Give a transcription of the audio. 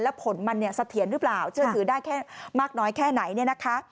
และผลมันเสถียรหรือเปล่าเชื่อถือได้แค่มากน้อยแค่ไหน